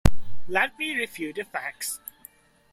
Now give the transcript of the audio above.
Let me review the facts.